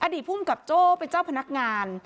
อดีตภูมิกับโจ้เป็นเจ้าพนักงาน